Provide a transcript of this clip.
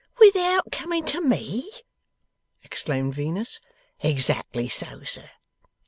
'Without coming to me!' exclaimed Venus. 'Exactly so, sir!